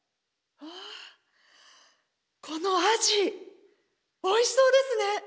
「わこのアジおいしそうですね」。